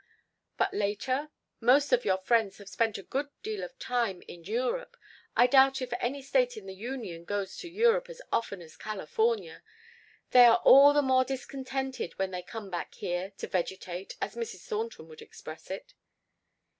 "But later? Most of your friends have spent a good deal of time in Europe. I doubt if any state in the Union goes to Europe as often as California! They are all the more discontented when they come back here to vegetate as Mrs. Thornton would express it.